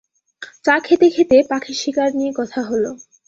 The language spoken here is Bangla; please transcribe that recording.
চা খেতে-খেতে পাখি শিকার নিয়ে কথা হলো।